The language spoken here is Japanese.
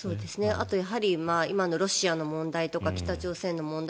あとやはり今のロシアの問題とか北朝鮮の問題